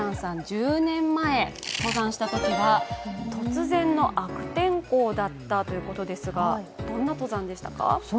１０年前、登山したときは突然の悪天候だったということですが、どんな登山でしたか？